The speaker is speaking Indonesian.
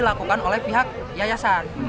dilakukan oleh pihak yayasan